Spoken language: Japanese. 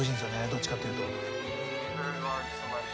どっちかというと。